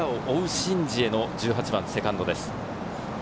シン・ジエの１８番、セカンドです。